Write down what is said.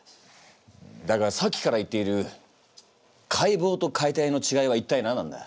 だがさっきから言っている解剖と解体のちがいは一体何なんだ？